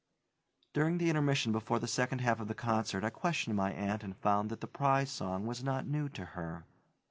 During the intermission before the second half of the concert, I questioned my aunt and found that the "Prize Song" was not new to her.